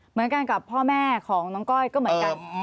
เหมือนกันกับพ่อแม่ของน้องก้อยก็เหมือนกัน